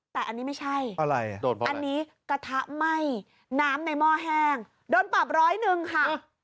แต่อันนี้ไม่ใช่อันนี้กระทะไหม้น้ำในหม้อแห้งโดนปรับร้อยหนึ่งค่ะ